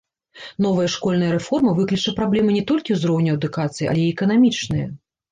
Новая школьная рэформа выкліча праблемы не толькі ўзроўню адукацыі, але і эканамічныя.